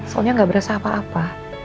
soalnya gak berasa apa apa